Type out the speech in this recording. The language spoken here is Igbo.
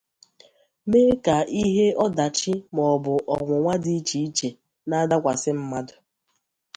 mee ka ihe ọdachi maọbụ ọnwụnwa dị iche iche na-adakwàsị mmadụ